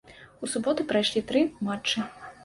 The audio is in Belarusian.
У суботу прайшлі тры матчы.